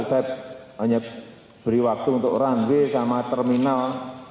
saya hanya beri waktu untuk runway sama terminal